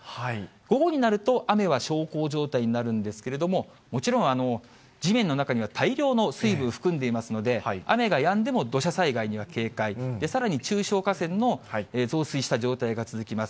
午後になると、雨は小康状態になるんですけれども、もちろん、地面の中には大量の水分含んでいますので、雨がやんでも土砂災害には警戒、さらに中小河川の増水した状態が続きます。